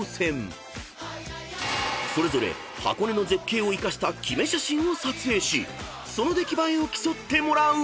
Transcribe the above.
［それぞれ箱根の絶景を生かしたキメ写真を撮影しその出来栄えを競ってもらう］